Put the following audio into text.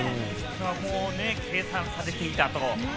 計算されていたと。